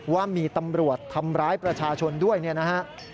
ว่ามีตำรวจทำร้ายประชาชนด้วยเนี่ยนะฮะ